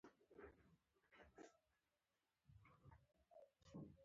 د اولیګارشۍ قانون ریښه د واکمنې ډلې تر ولکې لاندې رژیمونو کې ده.